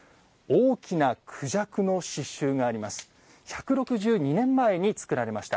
大きなクジャクの刺しゅうがあります。